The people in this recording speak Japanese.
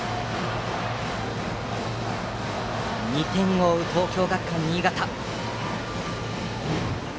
２点を追う東京学館新潟。